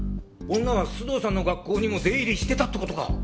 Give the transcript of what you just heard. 女は須藤さんの学校にも出入りしてたって事か？